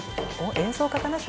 「“演奏家かな”って」